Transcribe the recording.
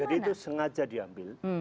jadi itu sengaja diambil